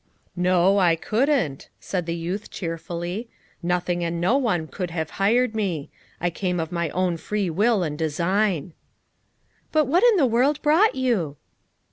"I couldn't," said the youth cheerfully. "Nothing and no one could have hired me; I came of my own free will and design." "But what in the world brought you?"